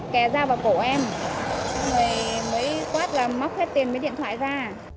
đè ra vào cổ em mới quát là móc hết tiền với điện thoại ra